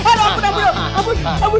aduh ampun ampun